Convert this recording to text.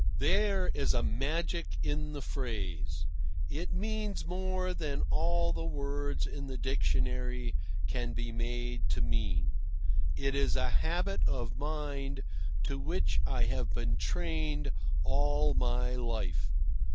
There is a magic in the phrase. It means more than all the words in the dictionary can be made to mean. It is a habit of mind to which I have been trained all my life.